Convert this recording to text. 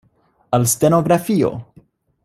Al stenografio!